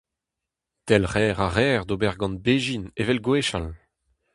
Delc'her a reer d'ober gant bezhin evel gwechall.